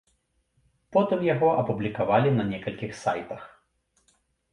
Потым яго апублікавалі на некалькіх сайтах.